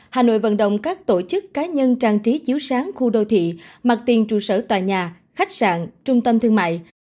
hà nội vận động các tổ chức cá nhân trang trí chiếu sáng khu đô thị mặt tiền trụ sở tòa nhà khách sạn trung tâm thương mại